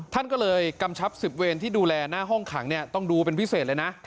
ท่านก็เลยกำชับ๑๐เวรที่ดูแลหน้าห้องขังต้องดูเป็นพิเศษเลยนะ